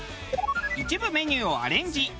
一部メニューをアレンジ。